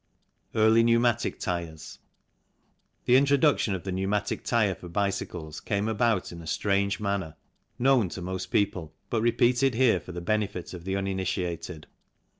Early Pneumatic Tyres. The introduction of the pneumatic tyre for bicycles came about in a strange manner known to most people, but repeated here for the benefit of the uninitiated.